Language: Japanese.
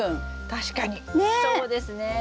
確かにそうですね。ね！